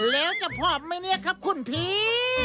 แล้วจะพร้อมไหมเนี่ยครับคุณผี